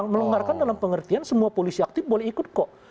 melonggarkan dalam pengertian semua polisi aktif boleh ikut kok